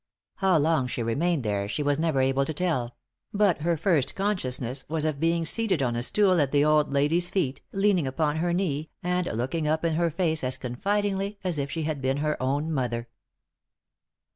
How long she remained there she was never able to tell; but her first consciousness was of being seated on a stool at the old lady's feet, leaning upon her knee, and looking up in her face as confidingly as if she had been her own mother.